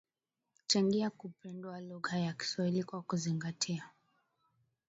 changia kupendwa lugha ya Kiswahili Kwa kuzingatia